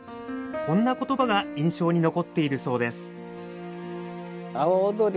こんな言葉が印象に残っているそうです。